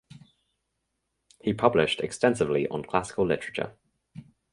He published extensively on classical literature.